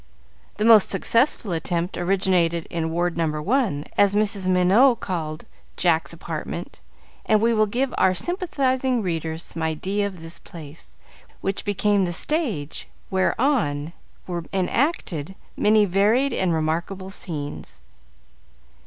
The most successful attempt originated in Ward No. 1, as Mrs. Minot called Jack's apartment, and we will give our sympathizing readers some idea of this place, which became the stage whereon were enacted many varied and remarkable scenes.